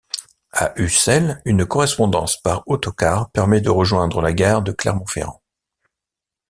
À Ussel, une correspondance par autocar permet de rejoindre la gare de Clermont-Ferrand.